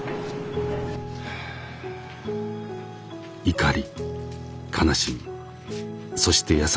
怒り悲しみそして優しさ。